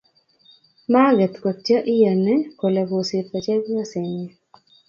magen kotko iyani kole kosirto chepyosenyi